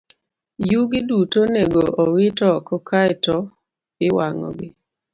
Yugi duto onego owit oko kae to iwang'ogi.